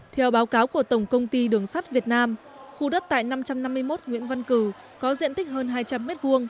theo báo cáo của tổng công ty đường sắt việt nam khu đất tại năm trăm năm mươi một nguyễn văn cử có diện tích hơn hai trăm linh m hai